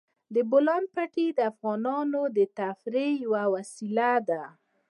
د بولان پټي د افغانانو د تفریح یوه وسیله ده.